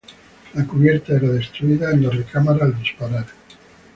La cubierta era destruida en la recámara al disparar.